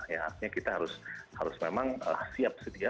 ya artinya kita harus memang siap sedia